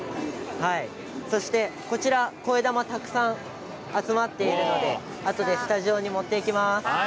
そして、こちら、こえだまたくさん集まっているのであとでスタジオに持っていきます。